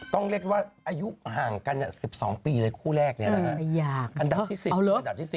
ก็นิววงศกรเห็นเล่นละครมากี่ปี